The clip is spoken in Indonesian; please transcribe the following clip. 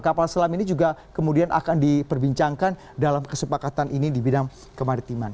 kapal selam ini juga kemudian akan diperbincangkan dalam kesepakatan ini di bidang kemaritiman